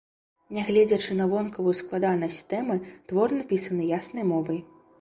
Нягледзячы на вонкавую складанасць тэмы, твор напісаны яснай мовай.